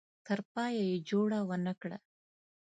تر پایه یې جوړه ونه کړه.